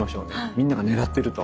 みんなが狙ってると。